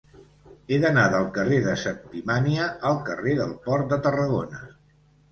He d'anar del carrer de Septimània al carrer del Port de Tarragona.